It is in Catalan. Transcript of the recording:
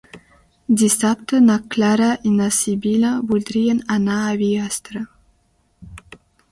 Dissabte na Clara i na Sibil·la voldrien anar a Bigastre.